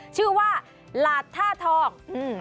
ชื่อว่าหลาดท่าทอง